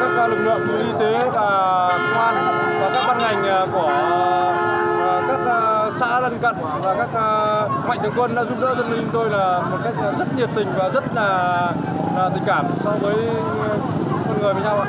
các xã lân cận và các mạnh thường quân đã giúp đỡ dân minh tôi là một cách rất nhiệt tình và rất là tình cảm so với con người với nhau